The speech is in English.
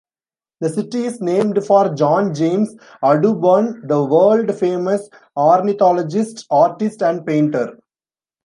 The city is named for John James Audubon the world-famous ornithologist, artist, and painter.